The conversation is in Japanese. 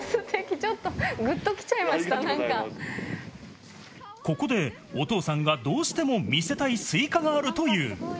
ちょっとぐっここで、お父さんがどうしても見せたいすいかがあるという。